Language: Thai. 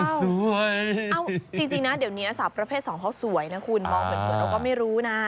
มองเหมือนแล้วก็ไม่รู้นะ